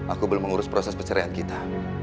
aku belum mengurus proses perceraian kita